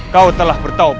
kau telah bertaubat